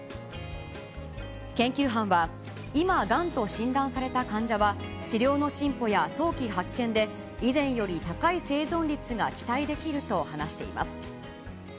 研究班は、今、がんと診断された患者は、治療の進歩や早期発見で、以前より高い生存率が期待できると話しています。